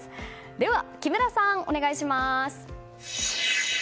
では木村さん、お願いします。